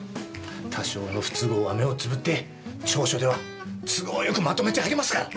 多少の不都合は目をつぶって調書では都合よくまとめてあげますから。